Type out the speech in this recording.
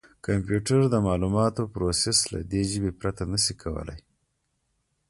کمپیوټر د معلوماتو پروسس له دې ژبې پرته نه شي کولای.